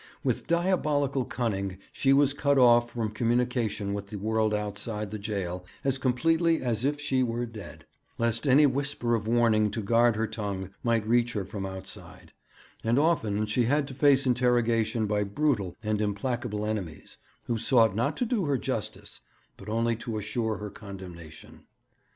With diabolical cunning she was cut off from communication with the world outside the jail as completely as if she were dead, lest any whisper of warning to guard her tongue might reach her from outside; and often she had to face interrogation by brutal and implacable enemies, who sought not to do her justice, but only to assure her condemnation.